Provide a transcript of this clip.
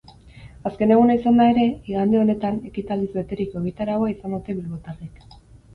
Azken eguna izanda ere, igande honetan ekitaldiz beteriko egitaraua izan dute bilbotarrek.